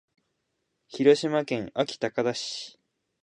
広島県安芸高田市